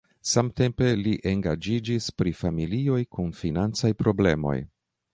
Samtempe li engaĝiĝis pri familioj kun financaj problemoj.